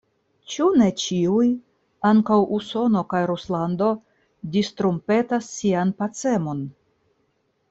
Ĉu ne ĉiuj, ankaŭ Usono kaj Ruslando, distrumpetas sian pacemon?